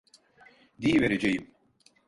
Diyivereceğim!